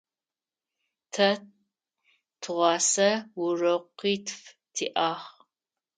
Тэ тыгъуасэ урокитф тиӏагъ.